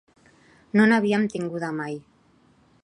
No n’havíem tinguda mai.